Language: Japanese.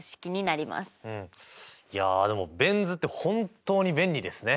いやでもベン図って本当に便利ですね！